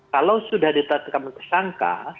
kalau sudah ditetapkan tersangka